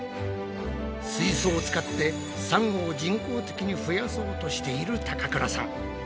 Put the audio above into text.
水槽を使ってサンゴを人工的に増やそうとしている高倉さん。